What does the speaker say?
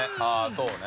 そうね。